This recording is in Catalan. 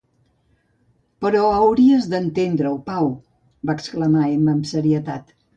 "Però hauries d'entendre-ho, Paul", va exclamar Emma amb serietat.